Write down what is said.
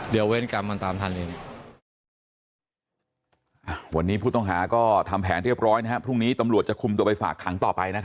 เดี๋ยวเว้นกรรมมันตามทันเอง